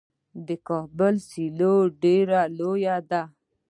د کابل سیلو ډیره لویه ده.